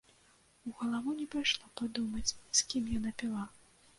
У галаву не прыйшло падумаць, з кім яна піла.